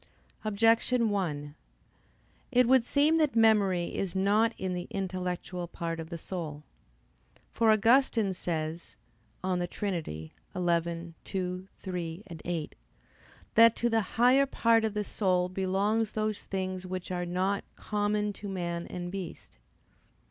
Objection 1: It would seem that memory is not in the intellectual part of the soul. For Augustine says (De Trin. xii, 2,3,8) that to the higher part of the soul belongs those things which are not "common to man and beast."